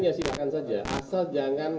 ya silakan saja asal jangan